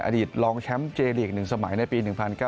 อดีตรองแชมป์เจลีก๑สมัยในปี๑๙๙